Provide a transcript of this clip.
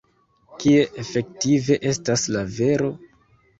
Kie efektive estas la vero?